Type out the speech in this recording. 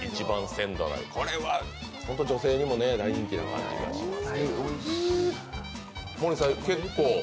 これは本当に女性にも大人気菜感じがします。